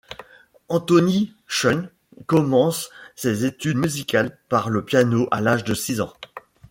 Anthony Cheung commence ses études musicales par le piano à l'âge de six ans.